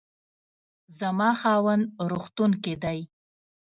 زما خاوند روغتون کې دی